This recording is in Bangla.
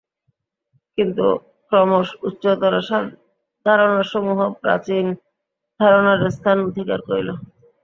কিন্তু ক্রমশ উচ্চতর ধারণাসমূহ প্রাচীন ধারণার স্থান অধিকার করিল।